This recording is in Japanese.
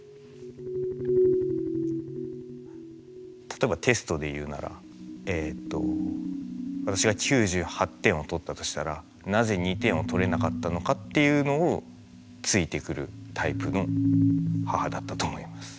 例えばテストで言うなら私が９８点を取ったとしたらなぜ２点を取れなかったのかっていうのをついてくるタイプの母だったと思います。